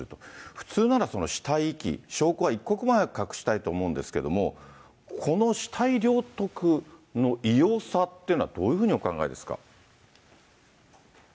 普通なら死体遺棄、証拠は一刻も早く隠したいと思うんですけども、この死体領得の異様さっていうのは、どういうふうにお考えですか。